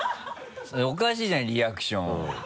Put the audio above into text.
おかしいじゃないリアクション。